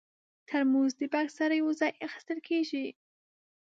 ترموز د بکس سره یو ځای اخیستل کېږي.